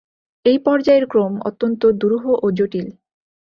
এই পর্যায়ের ক্রম অত্যন্ত দুরূহ ও জটিল।